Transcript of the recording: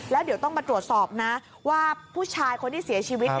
แล้วเดี๋ยวต้องมาตรวจสอบนะว่าผู้ชายคนที่เสียชีวิต